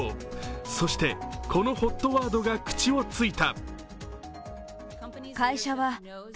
そして、このＨＯＴワードが口を突いた。